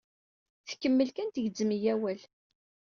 Tkemmel kan tgezzem-iyi awal.